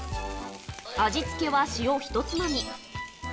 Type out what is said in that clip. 味付けは塩一つまみ。